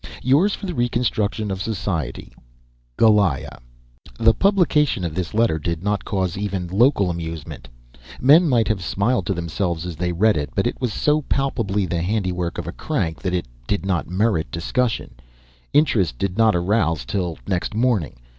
"Yours for the reconstruction of society, "GOLIAH." The publication of this letter did not cause even local amusement. Men might have smiled to themselves as they read it, but it was so palpably the handiwork of a crank that it did not merit discussion. Interest did not arouse till next morning.